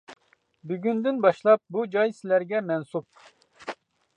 بۈگۈندىن باشلاپ، بۇ جاي سىلەرگە مەنسۇپ.